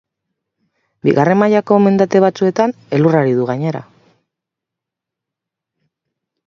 Bigarren mailako mendate batzuetan elurra ari du, gainera.